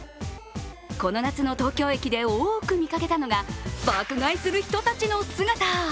この夏の東京駅で多く見かけたのが爆買いする人たちの姿。